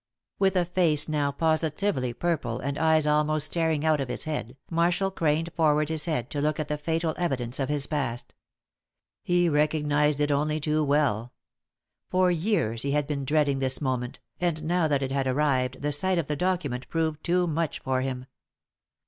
With a face now positively purple and eyes almost staring out of his head, Marshall craned forward his head to look at the fatal evidence of his past. He recognised it only too well. For years he had been dreading this moment, and now that it had arrived the sight of the document proved too much for him.